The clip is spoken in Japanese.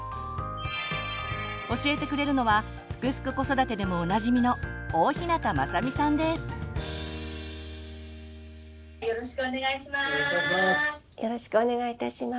教えてくれるのは「すくすく子育て」でもおなじみのよろしくお願いします。